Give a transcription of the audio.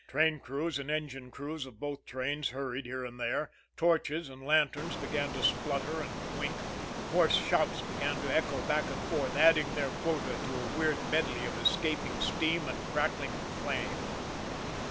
Train crews and engine crews of both trains hurried here and there, torches and lanterns began to splutter and wink, hoarse shouts began to echo back and forth, adding their quota to a weird medley of escaping steam and crackling flame.